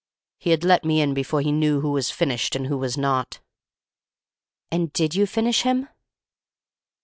He had let me in before he knew who was finished and who was not." "And did you finish him?"